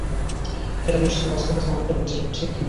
এটা নিশ্চয়ই বাস্তবতার আরেকটা প্রতিরূপ, ঠিক?